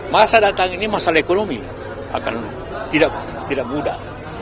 masa datang ini masalah ekonomi akan tidak mudah